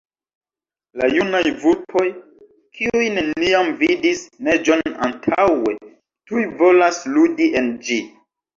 La junaj vulpoj, kiuj neniam vidis neĝon antaŭe, tuj volas ludi en ĝi.